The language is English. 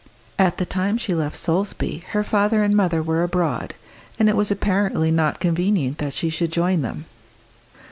At the time she left Solesby her father and mother were abroad, and it was apparently not convenient that she should join them.